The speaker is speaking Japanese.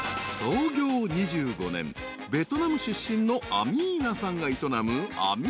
［ベトナム出身のアミーナさんが営む］